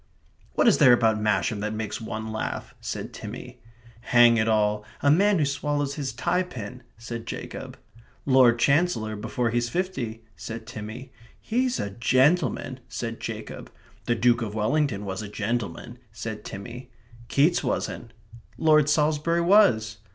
"What is there about Masham that makes one laugh?" said Timmy. "Hang it all a man who swallows his tie pin," said Jacob. "Lord Chancellor before he's fifty," said Timmy. "He's a gentleman," said Jacob. "The Duke of Wellington was a gentleman," said Timmy. "Keats wasn't." "Lord Salisbury was."